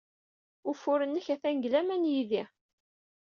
Ufur-nnek atan deg laman yid-i.